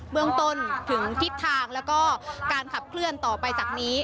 เมืองต้นถึงทิศทางแล้วก็การขับเคลื่อนต่อไปจากนี้